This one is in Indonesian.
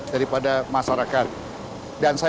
daripada masyarakat dan saya